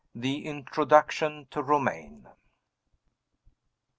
THE INTRODUCTION TO ROMAYNE.